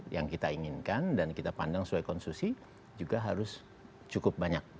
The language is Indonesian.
yang kita inginkan dan kita pandang sesuai konstitusi juga harus cukup banyak